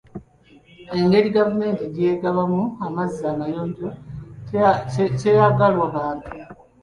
Engeri gavumenti gy'egabamu amazzi amayonjo teyagalwa bantu.